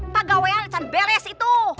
pak gawel jangan beres itu